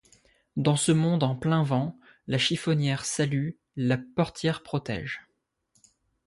Dans ce monde en plein vent, la chiffonnière salue, la portière protège.